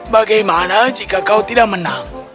bagaimana jika kau tidak menang